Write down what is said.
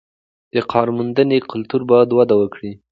د کارموندنې کلتور باید وده وکړي.